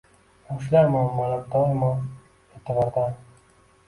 Yoshlar muammolari doimo e’tibordang